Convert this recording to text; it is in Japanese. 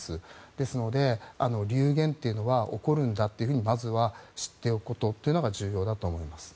ですので、流言というのは起こるんだとまずは知っておくことというのが重要だと思います。